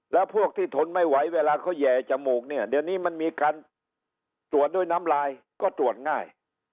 แล้วพวกที่ทนไม่ไหวเวลาเขาแห่จมูกเนี่ยเดี๋ยวนี้มันมีการตรวจด้วยน้ำลายก็ตรวจง่าย